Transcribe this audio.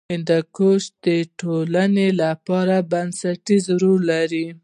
هندوکش د ټولنې لپاره بنسټیز رول لري.